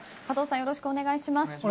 加藤さん、よろしくお願いします。